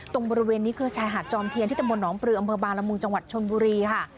ตรงบริเวณนี้คือชายหาดจอมเทียนที่ตำบลหนองปลืออำเภอบางละมุงจังหวัดชนบุรีค่ะ